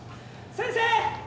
先生。